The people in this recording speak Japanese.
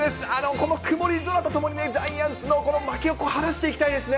この曇り空とともにね、ジャイアンツのこの負けを晴らしていきたいですね。